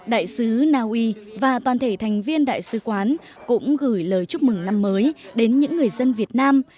đại sứ naui và toàn thể thành viên đại sứ quán cũng gửi lời chúc mừng năm mới đến những người dân việt nam